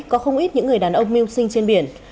có không ít những người đàn ông mưu sinh trên biển